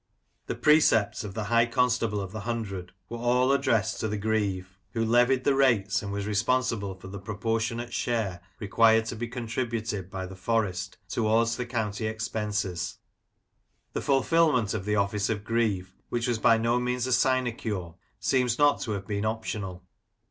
The Precepts of the High Constable of the Hundred were all addressed to the Greave, Rossendale: Past and Present. 8i who levied the rates, and was responsible for the propor tionate share required to be contributed by the Forest towards the County expenses. The fulfilment of the office of Greave, which was by no means a sinecure, seems not to have been optional.